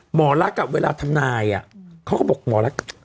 หมอลักษณ์อ่ะเวลาทำนายอ่ะเขาก็บอกหมอลักษณ์